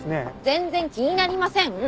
全然気になりません。